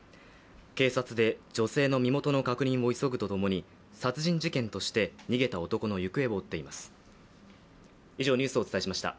警察で女性の身元の確認を急ぐとともに殺人事件として逃げた男の行方を追っています。